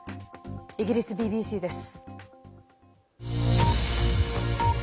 イギリスＢＢＣです。